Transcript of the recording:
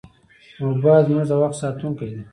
موبایل زموږ د وخت ساتونکی دی.